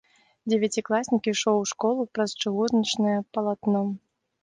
Дзевяцікласнік ішоў у школу праз чыгуначнае палатно.